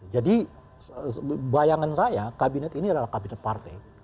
jadi bayangan saya kabinet ini adalah kabinet partai